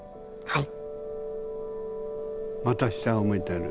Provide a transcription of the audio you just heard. はい。